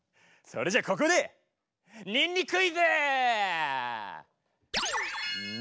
それじゃここでにんにクイズ！